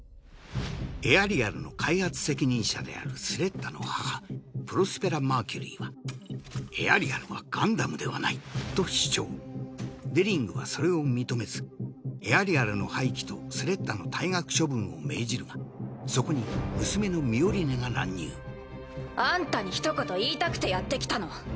エアリアルの開発責任者であるスレッタの母プロスペラ・マーキュリーは「エアリアルはガンダムではない」と主張デリングはそれを認めずエアリアルの廃棄とスレッタの退学処分を命じるがそこに娘のミオリネが乱入あんたにひと言言いたくてやってきたの。